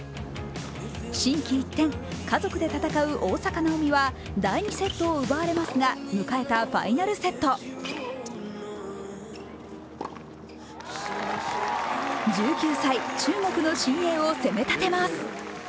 心機一転、家族で戦う大坂なおみは第２セットを奪われますが、迎えたファイナルセット１９歳、中国の新鋭を攻め立てます。